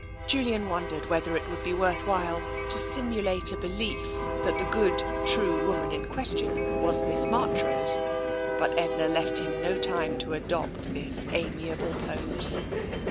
Julian wondered whether it would be worth while to simulate a belief that the good, true woman in question was Miss Marchrose, but Edna left him no time to adopt this amiable pose.